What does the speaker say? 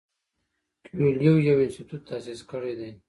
کویلیو یو انسټیټیوټ تاسیس کړی دی.